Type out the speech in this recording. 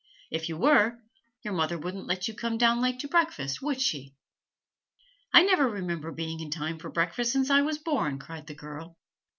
'If you were, your mother wouldn't let you come down late to breakfast, would she?' 'I never remember being in time for breakfast since I was born,' cried the girl.